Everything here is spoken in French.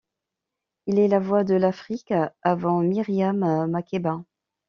Il est la voix de l'Afrique avant Miriam makéba.